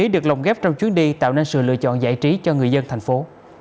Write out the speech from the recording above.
để tạo nên sự lựa chọn giải trí cho người dân thành phố